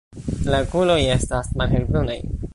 La okuloj estas malhelbrunaj.